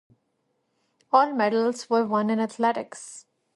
All medals were won in athletics.